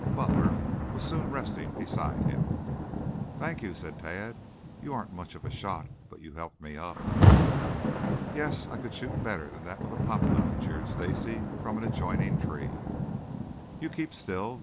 Butler was soon resting beside him. "Thank you," said Tad. "You aren't much of a shot, but you helped me up." "Yes. I could shoot better than that with a pop gun," jeered Stacy from an adjoining tree. "You keep still.